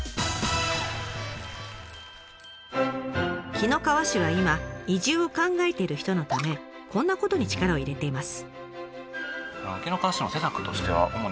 紀の川市は今移住を考えている人のためこんなことに力を入れています。